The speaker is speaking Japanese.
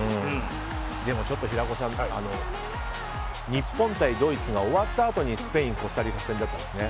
でもちょっと平子さん日本対ドイツが終わったあとにスペインコスタリカ戦だったんですね。